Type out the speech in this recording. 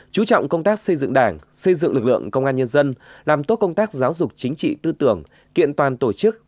chú trọng công tác xây dựng đảng xây dựng lực lượng công an nhân dân làm tốt công tác giáo dục chính trị tư tưởng kiện toàn tổ chức